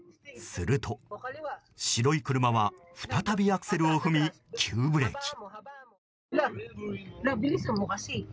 すると白い車は、再びアクセルを踏み急ブレーキ。